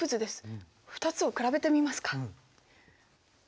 ２つを比べてみますか。